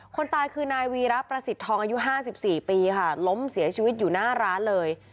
คนตายคือนายวีระประสิทธิ์ทองอายุ๕๔ปีค่ะล้มเสียชีวิตอยู่หน้าร้านเลย